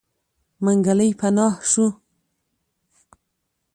منګلی پناه شو.